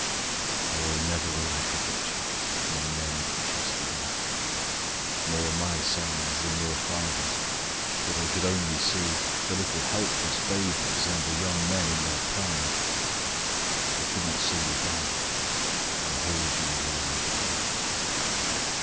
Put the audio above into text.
Oh, never will I forget you, My men that trusted me. More my sons than your fathers'. For they could only see The little helpless babies And the young men in their pride. They could not see you dying. And hold you while you died.